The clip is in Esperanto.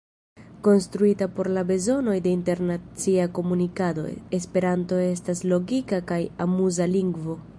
Konstruita por la bezonoj de internacia komunikado, esperanto estas logika kaj amuza lingvo.